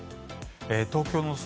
東京の空